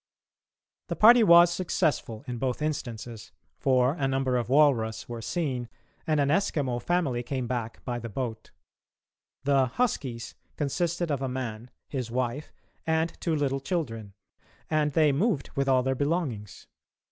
] The party was successful in both instances, for a number of walrus were seen and an Eskimo family came back by the boat. The "huskies" consisted of a man, his wife, and two little children, and they moved with all their belongings.